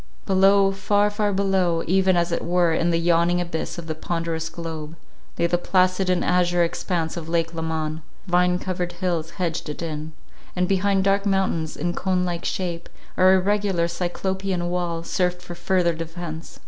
Below, far, far below, even as it were in the yawning abyss of the ponderous globe, lay the placid and azure expanse of lake Leman; vine covered hills hedged it in, and behind dark mountains in cone like shape, or irregular cyclopean wall, served for further defence.